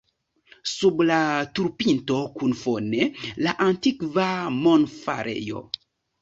Sub la turpinto kun fone la antikva monfarejo.